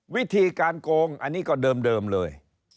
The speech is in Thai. วิธีการโกงอันนี้ก็เดิมเลย